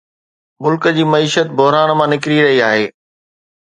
ملڪ جي معيشت بحران مان نڪري رهي آهي